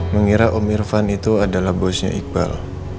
mengira om irfan itu adalah bosnya iqbal